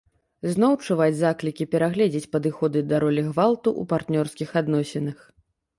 Зноў чуваць заклікі перагледзець падыходы да ролі гвалту ў партнёрскіх адносінах.